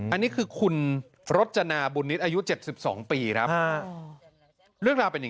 อันนี้คือคุณรจนาบุณิศอายุ๗๒ปีครับ